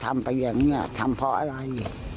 ที่ว่าเขาก็ทำไปอย่างนี้ทำเพราะอะไร